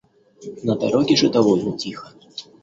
На дороге же довольно тихо.